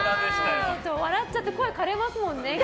笑っちゃって声枯れますもんね。